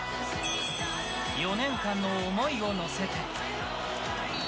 ４年間の思いを乗せて。